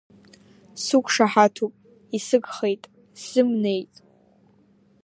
Суқәшаҳатуп, исыгхеит, сзымнеит.